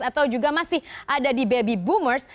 atau juga masih ada di baby boomers